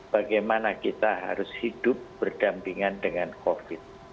bagaimana kita harus hidup berdampingan dengan covid